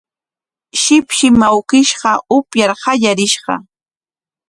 Shipshim awkishqa upyar qallarishqa